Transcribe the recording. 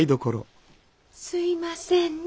すいませんね